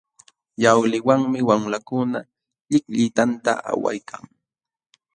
Yawliwanmi wamlakuna llikllitanta awaykan.